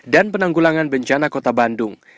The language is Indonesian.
dan penanggulangan bencana kota bandung